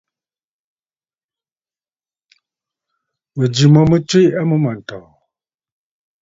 Mɨ̀jɨ̂ mo mɨ tswe a mûm àntɔ̀ɔ̀.